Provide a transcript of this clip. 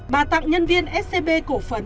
bà tặng nhân viên scb cổ phần